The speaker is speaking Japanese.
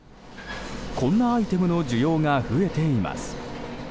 こんなアイテムの需要が増えています。